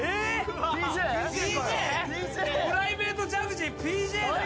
プライベートジャグジーＰ・Ｊだ！